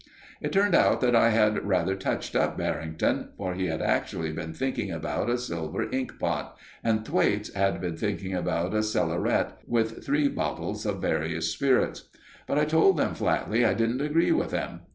It turned out that I had rather touched up Barrington, for he had actually been thinking about a silver ink pot, and Thwaites had been thinking about a cellaret with three bottles of various spirits; but I told them flatly I didn't agree with them.